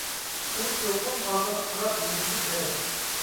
ئۇ چوقۇم ئالدىغا قاراپ مېڭىشى كېرەك.